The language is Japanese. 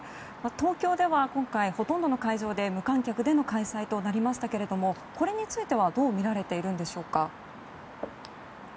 東京では今回ほとんどの会場で無観客での開催となりましたがこれについてはどう見られているんでしょうか。